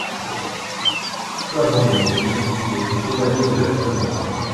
Peu avant de mourir, il est fait chevalier de la Toison d'or.